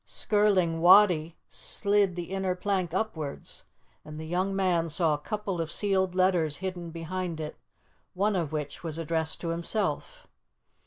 Skirling Wattie slid the inner plank upwards, and the young man saw a couple of sealed letters hidden behind it, one of which was addressed to himself.